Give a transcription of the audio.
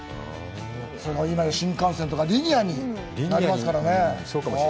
今や新幹線とか、リニアになりますからね。